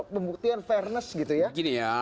pembuktian fairness gitu ya